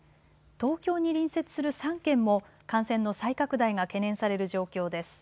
東京に隣接する３県も感染の再拡大が懸念される状況です。